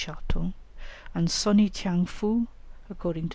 Charton), and Sonï tchang fou (according to M.